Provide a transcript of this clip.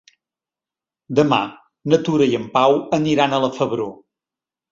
Demà na Tura i en Pau aniran a la Febró.